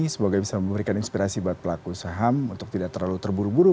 semoga bisa memberikan inspirasi buat pelaku saham untuk tidak terlalu terburu buru